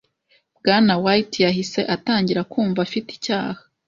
Bwana White yahise atangira kumva afite icyaha.